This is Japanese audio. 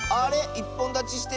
いっぽんだちしてる。